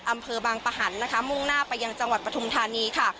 อำเภอบางปะหันนะคะมุ่งหน้าไปยังจังหวัดปฐุมธานีค่ะ